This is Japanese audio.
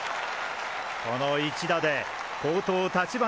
この一打で好投立花